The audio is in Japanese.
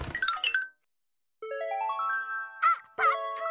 あっパックン！